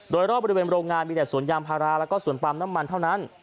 โดยรอบบริเวณโรงงานมีแต่สวนยางพาราแล้วก็สวนปาล์มน้ำมันเท่านั้น